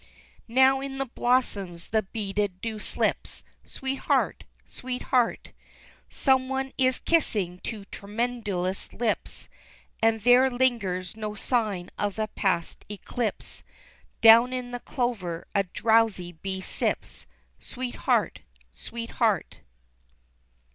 Now in the blossoms the beaded dew slips, Sweetheart! Sweetheart! Someone is kissing two tremulous lips, And there lingers no sign of the past eclipse, Down in the clover a drowsy bee sips, Sweetheart! Sweetheart!